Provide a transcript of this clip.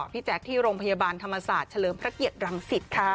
แจ๊คที่โรงพยาบาลธรรมศาสตร์เฉลิมพระเกียรติรังสิตค่ะ